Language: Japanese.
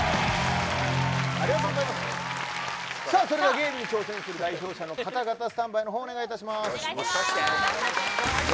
ゲームに挑戦する代表者の方々スタンバイをお願いします。